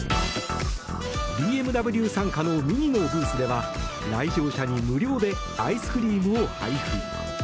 ＢＭＷ傘下のＭＩＮＩのブースでは来場者に無料でアイスクリームを配布。